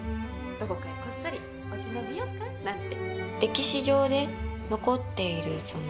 どこかへこっそり落ち延びようかなんて。